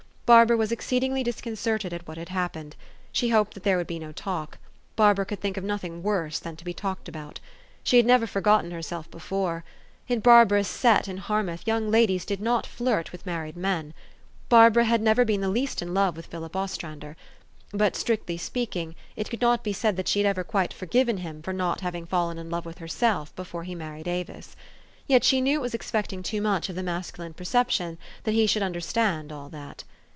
Barbara was exceedingly disconcerted at what had happened. She hoped there would be no talk : Barbara could think of nothing worse than to be talked about. She had never forgotten herself before . In Barbara' s " set " in Hannouth, young ladies did not flirt with married 358 THE STORY OF AVIS. men. Barbara had never been the least in love with Philip Ostrander. But, strictly speaking, it could not be said that she had ever quite forgiven him for not having fallen in love with herself before he mar ried Avis. Yet she knew it was expecting too much of the masculine perception that he should under stand all that.